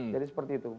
jadi seperti itu